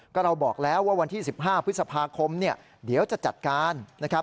ก็เราบอกแล้วว่าวันที่๑๕พฤษภาคมเนี่ยเดี๋ยวจะจัดการนะครับ